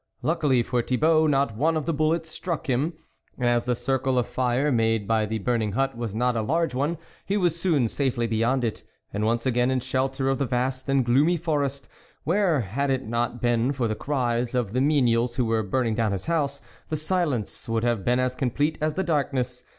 Luckily for Thibault, not one of the bullets struck him, and as the circle of fire made by the burning hut was not a large one, he was soon safely beyond it, and once again in shelter of the vast and gloomy forest, where, had it not been for the cries of the menials who were burning down his house, the silence would have been as complete as the darkness.